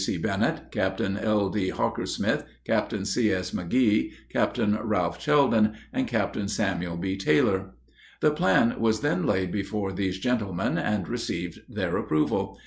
C. Bennett, Captain L.D. Hockersmith, Captain C.S. Magee, Captain Ralph Sheldon, and Captain Samuel B. Taylor. The plan was then laid before these gentlemen, and received their approval.